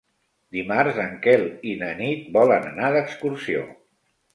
Dimarts en Quel i na Nit volen anar d'excursió.